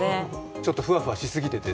ちょっとふわふわしすぎてて？